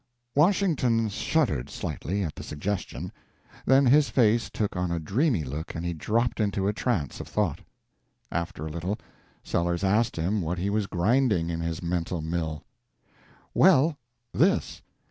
Washington shuddered slightly at the suggestion, then his face took on a dreamy look and he dropped into a trance of thought. After a little, Sellers asked him what he was grinding in his mental mill. "Well, this.